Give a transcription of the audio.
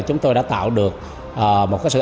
chúng tôi đã tạo được một cái sự